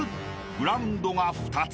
［グラウンドが２つ］